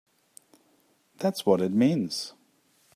That's what it means!